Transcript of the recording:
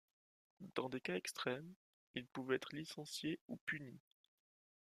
Dans des cas extrêmes, ils pouvaient être licenciés ou punis.